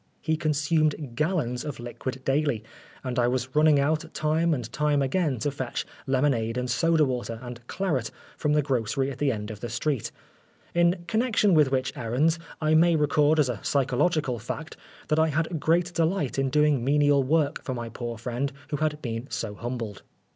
He consumed gallons of liquid daily, and I was running out time and time again to fetch lemonade and soda water and claret from the grocery at the end of the 170 Oscar Wilde street, in connection with which errands I may record as a psychological fact, that I had great delight in doing menial work for my poor friend who had been so humbled.